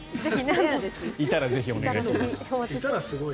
いたらぜひお願いします。